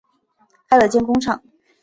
开了间工厂